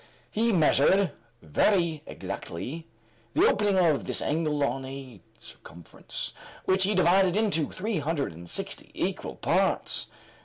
He measured, very exactly, the opening of this angle on a circumference which he divided into 360 equal parts.